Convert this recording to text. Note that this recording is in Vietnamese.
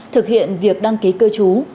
thực hiện việc đăng ký cư trú